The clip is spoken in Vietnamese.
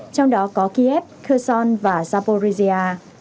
trong đó có kiev kherson và zaporizhia